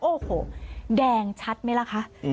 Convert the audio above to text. โอ้โหแดงชัดไหมล่ะคะ